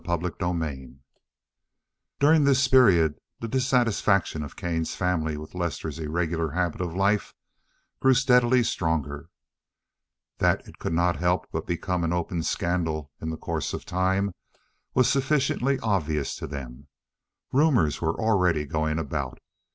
CHAPTER XXXIX During this period the dissatisfaction of the Kane family with Lester's irregular habit of life grew steadily stronger. That it could not help but become an open scandal, in the course of time, was sufficiently obvious to them. Rumors were already going about.